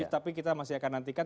tapi kita masih akan nantikan